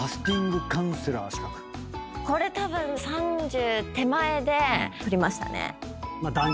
これたぶん３０手前で取りましたね。